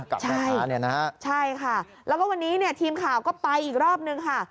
กับแม่ค้าเนี่ยนะฮะใช่ค่ะแล้วก็วันนี้เนี่ยทีมข่าวก็ไปอีกรอบนึงค่ะ